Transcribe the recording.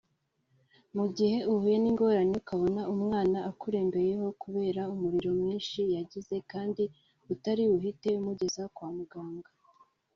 Mu gihe uhuye n’ingorane ukabona umwana akurembeyeho kubera umuriro mwinshi yagize kandi utari buhite umugeza kwa muganga